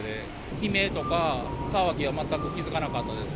悲鳴とか、騒ぎは全く気付かなかったです。